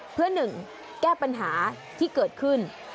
เพื่อหนึ่งแก้ปัญหาที่เกิดขึ้น